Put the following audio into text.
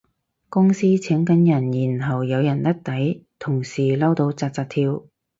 公司請緊人然後有人甩底，同事嬲到紮紮跳